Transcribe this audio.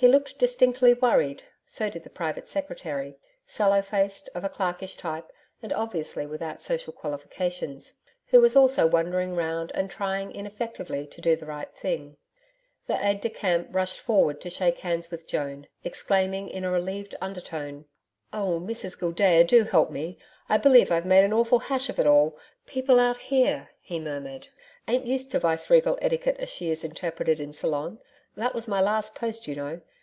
He looked distinctly worried, so did the private secretary sallow faced, of a clerkish type, and obviously without social qualifications who was also wandering round and trying ineffectively to do the right thing. The aide de camp rushed forward to shake hands with Joan, exclaiming in a relieved undertone: 'Oh, Mrs Gildea, do help me. I believe I've made an awful hash of it all. People out here,' he murmured, 'ain't used to viceregal etiquette as she is interpreted in Ceylon that was my last post you know.